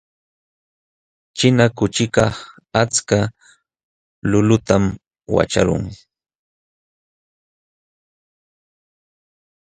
Ćhina kuchikaq achka urukunatam waćhaqlun.